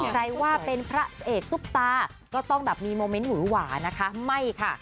ใครว่าเป็นพระเอกซุปตาก็ต้องแบบมีโมเมนต์หูหวานะคะไม่ค่ะ